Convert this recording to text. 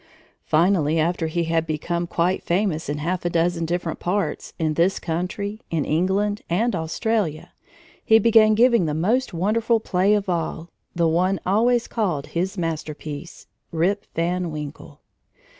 Finally, after he had become quite famous in half a dozen different parts, in this country, in England, and Australia, he began giving the most wonderful play of all the one always called his masterpiece "Rip Van Winkle."